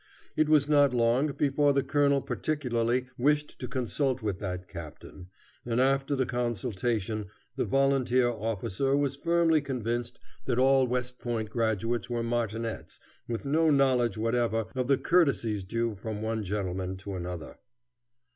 It was not long before the colonel particularly wished to consult with that captain, and after the consultation the volunteer officer was firmly convinced that all West Point graduates were martinets, with no knowledge whatever of the courtesies due from one gentleman to another.